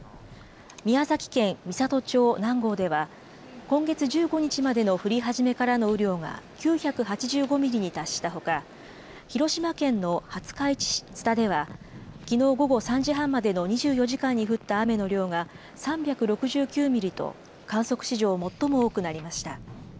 宮崎県美郷町南郷では今月１５日までの降り始めからの雨量が９８５ミリに達したほか、広島県の廿日市市津田ではきのう午後３時半までの２４時間に降った雨の量が３６９ミリと、観測史上、最も多くなりました。